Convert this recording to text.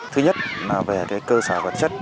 thứ nhất là về cơ sở vật chất